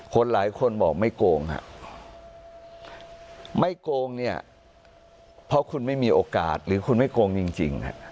หลายคนบอกไม่โกงฮะไม่โกงเนี่ยเพราะคุณไม่มีโอกาสหรือคุณไม่โกงจริง